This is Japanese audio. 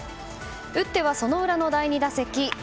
打ってはその裏の第２打席。